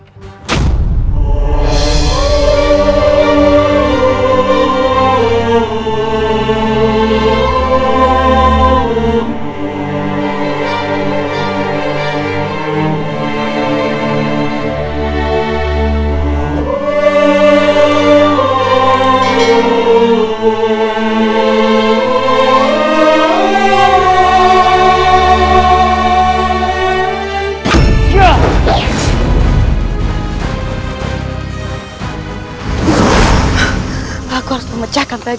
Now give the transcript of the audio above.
dan saya akan menghukumnya